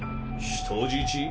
人質？